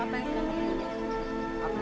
apa apa yang sering terjadi